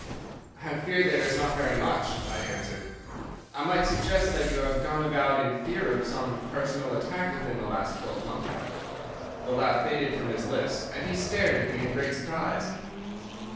"'I fear there is not very much,' I answered; 'I might suggest that you have gone about in fear of some personal attack within the last twelve months.' "The laugh faded from his lips, and he stared at me in great surprise.